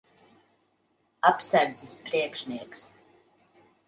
Apsardzes priekšnieks.